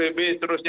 dari ppk sampai sdb